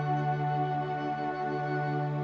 pesek air papi